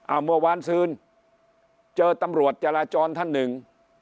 เมื่อวานซืนเจอตำรวจจราจรท่านหนึ่ง